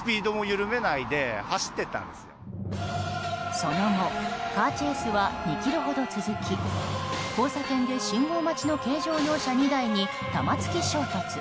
その後、カーチェイスは２ｋｍほど続き交差点で信号待ちの軽乗用車２台に玉突き衝突。